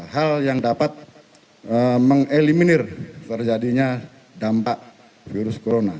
hal yang dapat mengeliminir terjadinya dampak virus corona